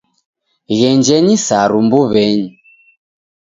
Ghenjenyi saru mbuw'enyi